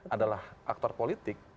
adalah aktor politik